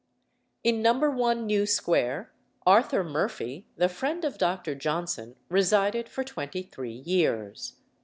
In No. 1 New Square, Arthur Murphy, the friend of Dr. Johnson, resided for twenty three years.